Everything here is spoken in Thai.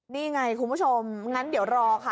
นี่ไงคุณผู้ชมงั้นเดี๋ยวรอค่ะ